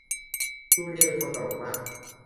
จูเลียเป็นคนตลกมาก